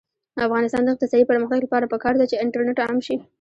د افغانستان د اقتصادي پرمختګ لپاره پکار ده چې انټرنیټ عام شي.